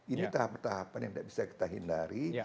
ini tahapan tahapan yang tidak bisa kita hindari